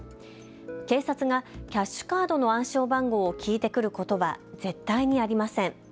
警察がキャッシュカードの暗証番号を聞いてくることは絶対にありません。